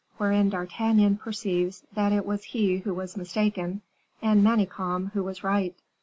Wherein D'Artagnan Perceives that It Was He Who Was Mistaken, and Manicamp Who Was Right.